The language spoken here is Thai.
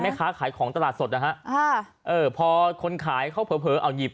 ขายของตลาดสดนะฮะอ่าเออพอคนขายเขาเผลอเผลอเอาหยิบ